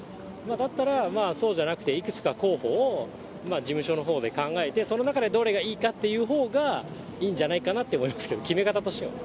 だったら、そうじゃなくて、いくつか候補を事務所のほうで考えて、その中でどれがいいかっていうほうが、いいんじゃないかなって思いますけど、決め方としては。